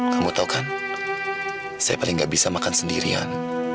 kamu tahu kan saya paling tidak bisa makan sendirian